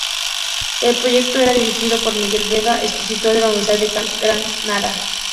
El proyecto está dirigido por Miguel Vega Expósito, de la Universidad de Granada.